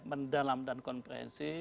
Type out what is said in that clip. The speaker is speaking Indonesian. mendalam dan komprehensi